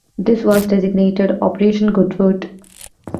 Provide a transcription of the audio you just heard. This was designated Operation Goodwood.